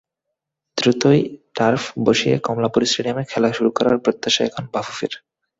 দ্রুতই টার্ফ বসিয়ে কমলাপুর স্টেডিয়ামে খেলা শুরু করার প্রত্যাশা এখন বাফুফের।